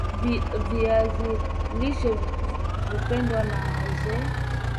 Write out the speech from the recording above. Viazi lishe hupendwa na wazee